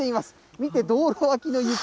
見て、道路脇の雪。